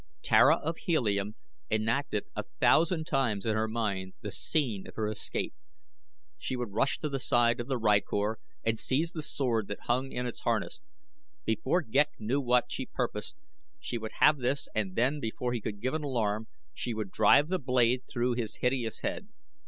Tara of Helium enacted a thousand times in her mind the scene of her escape. She would rush to the side of the rykor and seize the sword that hung in its harness. Before Ghek knew what she purposed, she would have this and then before he could give an alarm she would drive the blade through his hideous head.